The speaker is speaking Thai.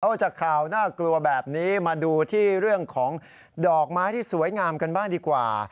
จากข่าวน่ากลัวแบบนี้มาดูที่เรื่องของดอกไม้ที่สวยงามกันบ้างดีกว่า